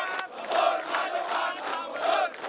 lampur majokan namunur